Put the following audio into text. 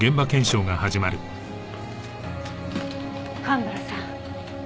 蒲原さん。